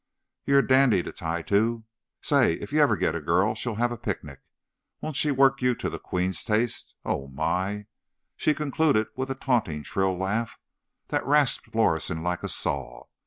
You're a dandy to tie to. Say, if you ever get a girl, she'll have a picnic. Won't she work you to the queen's taste! Oh, my!" She concluded with a taunting, shrill laugh that rasped Lorison like a saw.